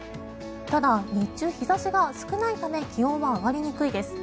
ただ、日中、日差しが少ないため気温は上がりにくいです。